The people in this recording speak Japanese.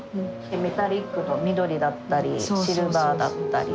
メタリックと緑だったりシルバーだったり。